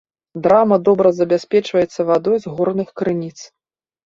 Драма добра забяспечваецца вадой з горных крыніц.